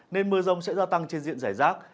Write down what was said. nên mưa rông sẽ gia tăng trên diện giải rác